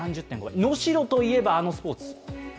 能代といえば、あのスポーツ。